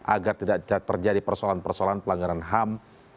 agar tidak terjadi persoalan persoalan pelanggaran ham